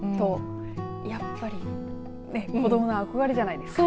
やっぱり子どもが憧れるじゃないですか。